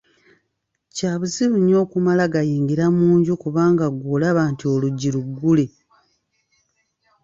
Kya busiru nnyo okumala gayingira mu nju kubanga ggwe olaba nti oluggi luggule.